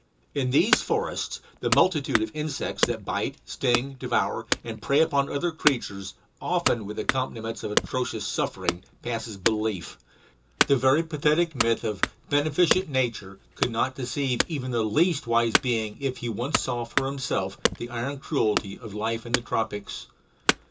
In these forests the multitude of insects that bite, sting, devour, and prey upon other creatures, often with accompaniments of atrocious suffering, passes belief. The very pathetic myth of "beneficent nature" could not deceive even the least wise being if he once saw for himself the iron cruelty of life in the tropics.